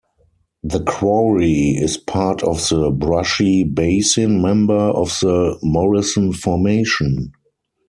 The quarry is part of the Brushy Basin Member of the Morrison Formation.